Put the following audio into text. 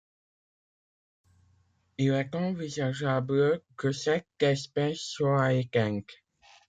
Il est envisageable que cette espèce soit éteinte.